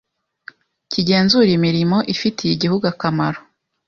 kigenzura imirimo ifitiye igihugu akamaro